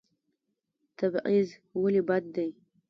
تبعیض ولې بد دی؟